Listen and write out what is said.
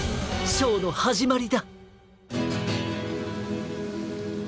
ショーのはじまりだ。